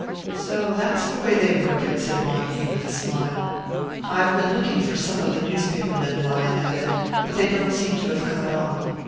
"So that's the way they work it!" said Montague, with a smile. "I've been looking for some of the newspaper men," Lyon added. "But they don't seem to have caught on."